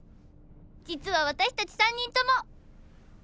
実は私たち３人とも。